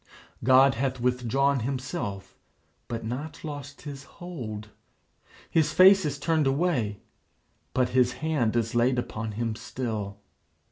God hath withdrawn himself, but not lost his hold. His face is turned away, but his hand is laid upon him still.